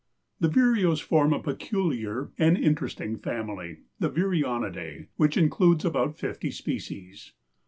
The vireos form a peculiar and interesting family—the Vireonidæ, which includes about fifty species.